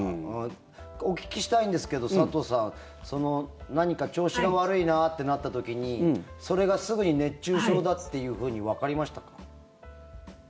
お聞きしたいんですけど佐藤さん何か調子が悪いなってなった時にそれがすぐに熱中症だっていうふうにわかりましたか？